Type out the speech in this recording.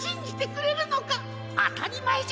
あたりまえじゃ。